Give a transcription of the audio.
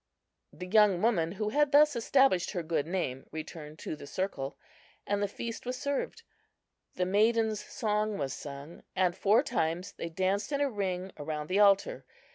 The young woman who had thus established her good name returned to the circle, and the feast was served. The "maidens' song" was sung, and four times they danced in a ring around the altar.